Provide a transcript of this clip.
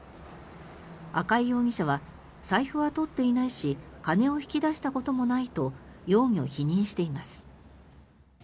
赤井容疑者は財布は取っていないし金を引き出したこともないと容疑を否認しています。